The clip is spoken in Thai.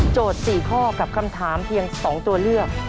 ๔ข้อกับคำถามเพียง๒ตัวเลือก